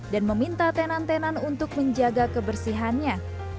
dan meminta tenan tenan untuk menjaga kebersihannya